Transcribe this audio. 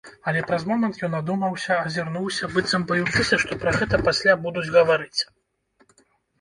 Але праз момант ён адумаўся, азірнуўся, быццам баючыся, што пра гэта пасля будуць гаварыць.